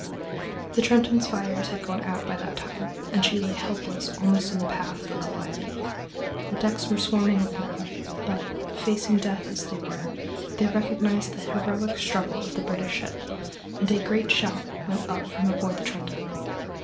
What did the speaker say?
The Trenton's fires had gone out by that time, and she lay helpless almost in the path of the Calliope. The decks were swarming with men, but, facing death as they were, they recognized the heroic struggle of the British ship, and a great shout went up from aboard the Trenton.